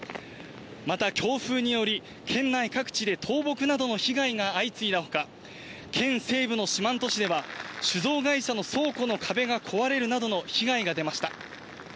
また、強風により、県内各地で倒木などの被害が相次いだほか、県西部の四万十市では、酒蔵会社の倉庫の壁が壊れるなどの被害が出ました。